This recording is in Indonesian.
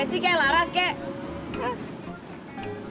ya laras kek